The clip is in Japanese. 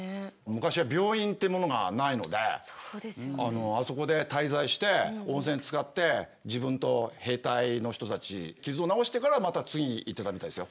昔は病院ってものがないのであそこで滞在して温泉つかって自分と兵隊の人たち傷を治してからまた次に行ってたみたいですよ。